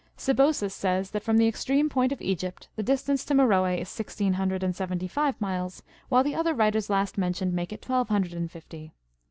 Sebosus says that from the extreme point of Egypt, the distance to Meroe is sixteen hundred and seventv five miles, while the other writers last mentioned make it twelve hundred and fifty.